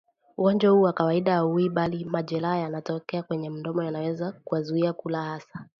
Ugonjwa huu kwa kawaida hauui bali majeraha yanayotokea kwenye midomo yanaweza kuwazuia kula hasa